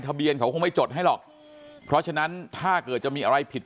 เบียนเขาคงไม่จดให้หรอกเพราะฉะนั้นถ้าเกิดจะมีอะไรผิด